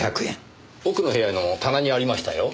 奥の部屋の棚にありましたよ。